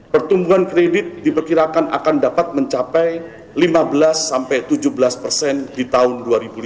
pertumbuhan kredit diperkirakan akan dapat mencapai lima belas sampai tujuh belas persen di tahun dua ribu lima belas